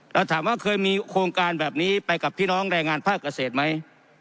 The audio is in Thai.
เราถามว่าเคยมีโครงการแบบนี้ไปกับพี่น้องแรงงานภาคเกษตรไหม